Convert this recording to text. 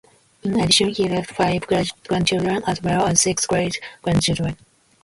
In addition he left five grandchildren as well as six great-grandchildren.